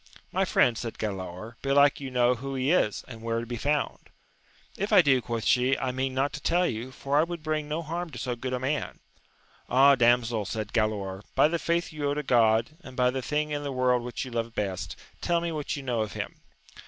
My friend, said Galaor, belike you know who he is, and where to be found ? If I do, quoth she, I mean not to tell you, for I would bring no harm to so good a man. Ah, damsel, said Galaor, by the faith you owe to God, and by the thing in the world which you love best, tell me what you know of him.